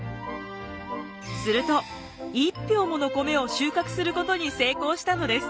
すると１俵もの米を収穫することに成功したのです。